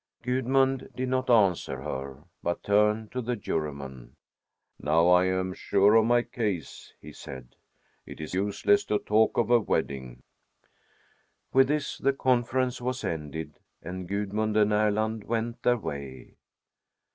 Gudmund did not answer her, but turned to the Juryman. "Now I am sure of my case," he said. "It is useless to talk of a wedding." With this the conference was ended, and Gudmund and Erland went their way.